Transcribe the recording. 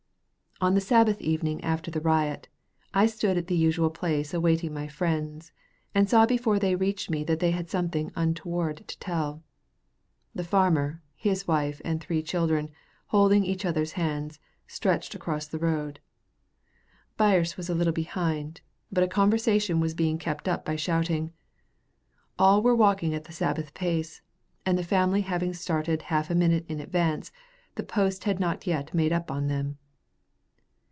On the Sabbath evening after the riot, I stood at the usual place awaiting my friends, and saw before they reached me that they had something untoward to tell. The farmer, his wife, and three children, holding each other's hands, stretched across the road. Birse was a little behind, but a conversation was being kept up by shouting. All were walking the Sabbath pace, and the family having started half a minute in advance, the post had not yet made up on them.